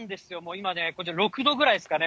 今ね、こちら、６度ぐらいですかね。